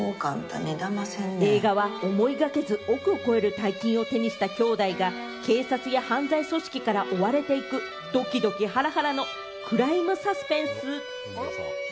映画は思いがけず、億を超える大金を手にしたきょうだいが警察や犯罪組織から追われていく、ドキドキ・ハラハラのクライムサスペンス。